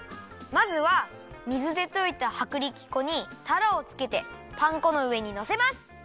まずは水でといたはくりき粉にたらをつけてパン粉のうえにのせます！